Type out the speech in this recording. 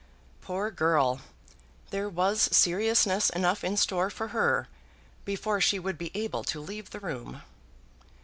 Poor girl! There was seriousness enough in store for her before she would be able to leave the room.